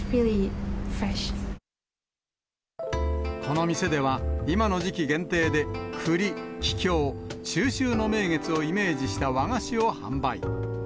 この店では、今の時期限定で、くり、キキョウ、中秋の名月をイメージした和菓子を販売。